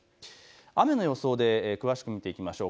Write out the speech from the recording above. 雨の予想で詳しく見ていきましょう。